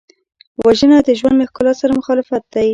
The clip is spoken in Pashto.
وژنه د ژوند له ښکلا سره مخالفت دی